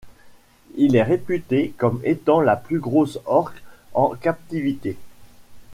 Il est réputé comme étant la plus grosse orque en captivité.